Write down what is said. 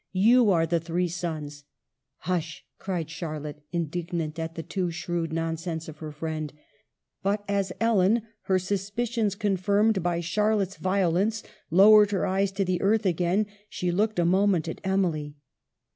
" You are the three suns." " Hush !" cried Charlotte, indignant at the too shrewd nonsense of her friend ; but as Ellen, her suspicions confirmed by Charlotte's violence, lowered her eyes to the earth again, she looked a moment at Emily.